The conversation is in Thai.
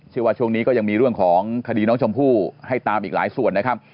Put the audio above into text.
ช่วงนี้ก็ยังมีเรื่องของคดีน้องชมพู่ให้ตามอีกหลายส่วนนะครับ